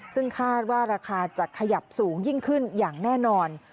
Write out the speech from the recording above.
ซึ่งคาดว่าราคาจะขยับสูงยิ่งขึ้นอย่างแน่นอน